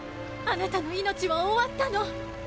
あなたの命は終わったの。